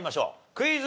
クイズ。